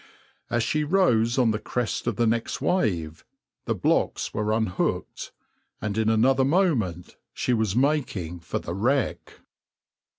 As she rose on the crest of the next wave, the blocks were unhooked, and in another moment she was making for the wreck.